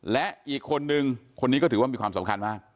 และอีกคนนึงคนนี้ก็ถือว่ามีความสำคัญมาก